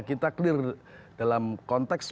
kita clear dalam konteks